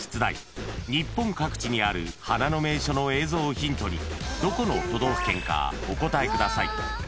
［日本各地にある花の名所の映像をヒントにどこの都道府県かお答えください］